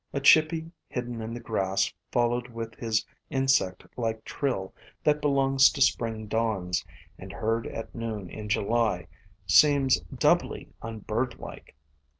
A chippy hidden in the grass followed with his insect like trill that belongs to Spring dawns, and, heard at noon in July, seems doubly unbirdlike.